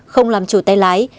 không làm chủ tay lái